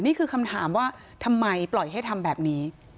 นี่คือคำถามว่าทำไมปล่อยให้ทำแบบนี้